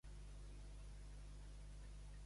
Fer-se ulls.